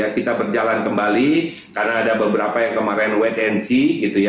kita berjalan kembali karena ada beberapa yang kemarin wait and see gitu ya